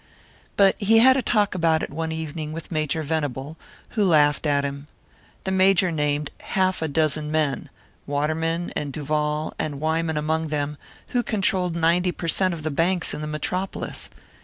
But he had a talk about it one evening with Major Venable, who laughed at him. The Major named half a dozen men Waterman and Duval and Wyman among them who controlled ninety per cent of the banks in the Metropolis.